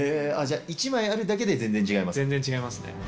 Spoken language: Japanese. じゃあ、１枚あるだけで全然全然違いますね。